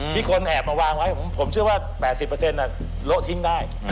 ที่คนแอบมาวางไว้ผมเชื่อว่า๘๐โละทิ้งได้